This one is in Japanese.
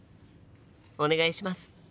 お願いします！